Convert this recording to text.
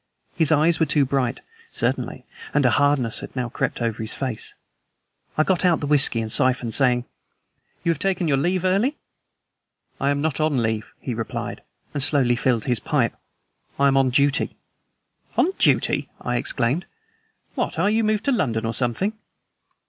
His eyes were too bright, certainly, and a hardness now had crept over his face. I got out the whisky and siphon, saying: "You have taken your leave early?" "I am not on leave," he replied, and slowly filled his pipe. "I am on duty." "On duty!" I exclaimed. "What, are you moved to London or something?"